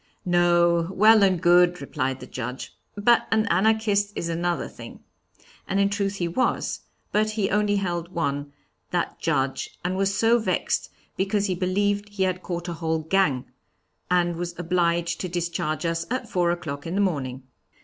'No, well and good,' replied the Judge. 'But an Anarchist is another thing.' And in truth he was; but he only held one, that Judge, and was so vexed because he believed he had caught a whole gang, and was obliged to discharge us at four o'clock in the morning.